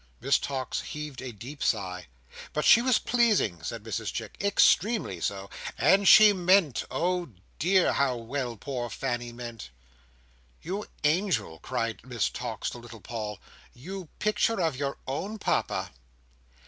Miss Tox heaved a deep sigh. "But she was pleasing:" said Mrs Chick: "extremely so. And she meant!—oh, dear, how well poor Fanny meant!" "You Angel!" cried Miss Tox to little Paul. "You Picture of your own Papa!"